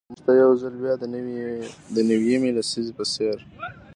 او مـوږ تـه يـو ځـل بـيا د نـوي يمـې لسـيزې پـه څـېر.